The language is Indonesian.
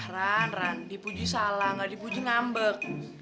ran ran dipuji salah nggak dipuji ngambek